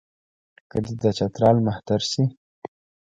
که دی د چترال مهتر شي.